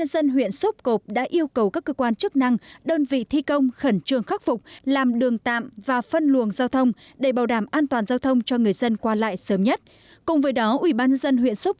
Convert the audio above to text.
hãy đăng ký kênh để ủng hộ kênh của mình nhé